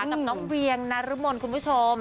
กับน้องเวียงนรมนคุณผู้ชม